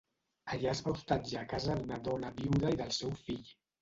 Allà es va hostatjar a casa d'una dona viuda i del seu fill.